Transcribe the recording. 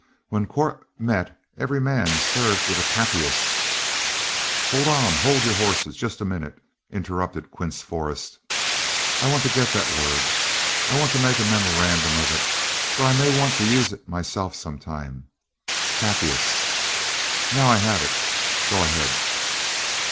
When court met, every man served with a capias" "Hold on! hold your horses just a minute," interrupted Quince Forrest, "I want to get that word. I want to make a memorandum of it, for I may want to use it myself sometime. Capias? Now I have it; go ahead."